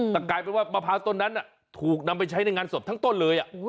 แต่กลายเป็นว่ามะพร้าวต้นนั้นถูกนำไปใช้ในงานศพทั้งต้นเลย